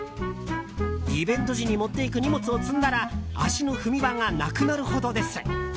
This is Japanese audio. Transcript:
イベント時に持っていく荷物を積んだら足の踏み場がなくなるほどです。